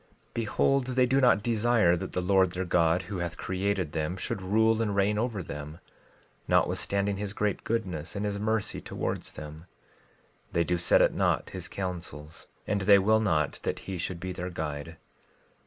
12:6 Behold, they do not desire that the Lord their God, who hath created them, should rule and reign over them; notwithstanding his great goodness and his mercy towards them, they do set at naught his counsels, and they will not that he should be their guide.